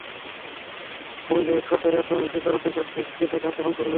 রয় Boyle সরাসরি আক্রমণের শিকার হতে চলেছেন কে তাকে আক্রমণ করবে?